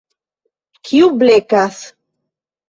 Kiu blekas?